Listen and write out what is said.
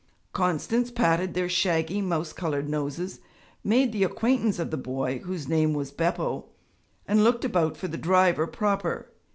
Constance patted their shaggy mouse coloured noses, made the acquaintance of the boy, whose name was Beppo, and looked about for the driver proper.